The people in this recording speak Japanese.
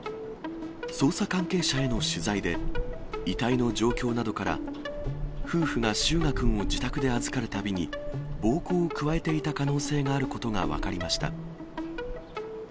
捜査関係者への取材で、遺体の状況などから、夫婦が翔雅くんを自宅で預かるたびに、暴行を加えていた可能性があることが分かりました。